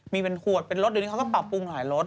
มีเป็นขวดเป็นรถเดี๋ยวนี้เขาก็ปรับปรุงหลายรส